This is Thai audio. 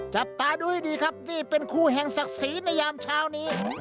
จับตาดูให้ดีครับนี่เป็นคู่แห่งศักดิ์ศรีในยามเช้านี้